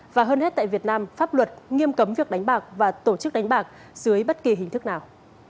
và hơn hết tại việt nam pháp luật nghiêm cấm việc đánh bạc và tổ chức đánh bạc dưới bất kỳ hình thức nào